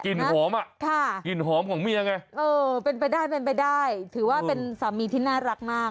กลิ่นหอมแหละนะค่ะกลิ่นหอมของเมียไงเออเป็นไปได้ถือว่าเป็นสามีที่น่ารักมาก